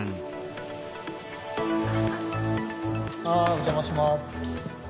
お邪魔します。